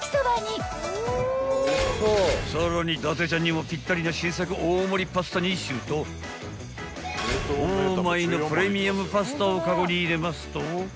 ［さらに伊達ちゃんにもぴったりな新作大盛りパスタ２種とオーマイのプレミアムパスタをカゴに入れますと］